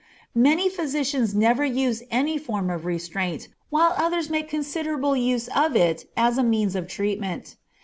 Many physicians never use any form of restraint, while others make considerable use of it as a means of treatment.